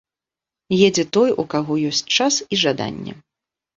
Едзе той, у каго ёсць час і жаданне.